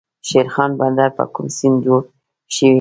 شیرخان بندر په کوم سیند جوړ شوی؟